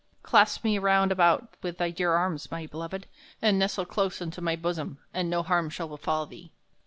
Clasp me round about with thy dear arms, my beloved, and nestle close unto my bosom, and no harm shall befall thee."